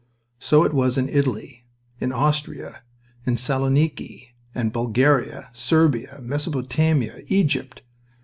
So it was in Italy, in Austria, in Saloniki, and Bulgaria, Serbia, Mesopotamia, Egypt...